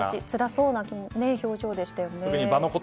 つらそうな表情でしたよね。